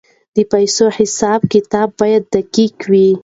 د پیسو حساب کتاب باید دقیق وي.